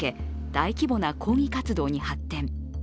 大規模な抗議活動に発展。